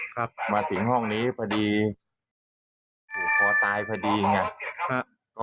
ครับมาถึงห้องนี้พอดีผูกคอตายพอดีไง